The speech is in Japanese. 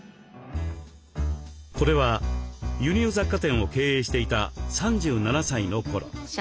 これは輸入雑貨店を経営していた３７歳の頃。